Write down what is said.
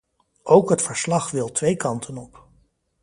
Ook het verslag wil twee kanten op.